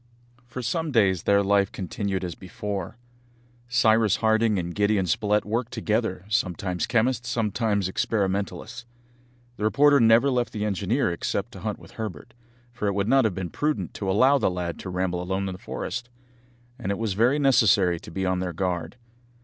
For some days their life continued as before. Cyrus Harding and Gideon Spilett worked together, sometimes chemists, sometimes experimentalists. The reporter never left the engineer except to hunt with Herbert, for it would not have been prudent to allow the lad to ramble alone in the forest; and it was very necessary to be on their guard.